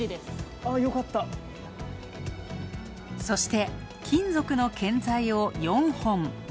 そして、金属の建材を４本。